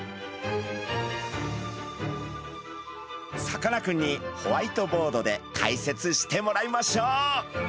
さかなクンにホワイトボードで解説してもらいましょう。